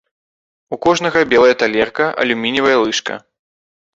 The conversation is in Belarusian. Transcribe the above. У кожнага белая талерка, алюмініевая лыжка.